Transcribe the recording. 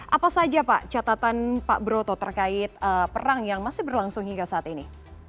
apa saja pak catatan pak broto terkait perang yang masih berlangsung hingga saat ini